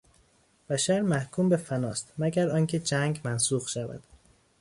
بشر محکوم به فناست مگر آنکه جنگ منسوخ شود.